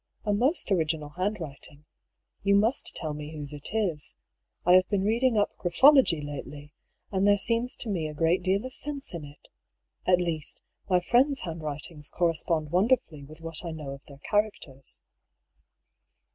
'' A most original handwrit ing. You must tell me whose it is. I have been read ing up graphology lately, and there seems to me a great deal of sense in it. At least, my friends' handwritings correspond wonderfully with what I know of their char acters."